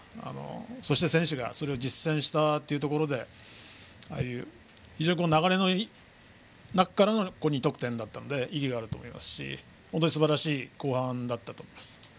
そして、選手が実践したところでああいう流れの中からの２得点だったので意義があると思いますしすばらしい後半だったと思います。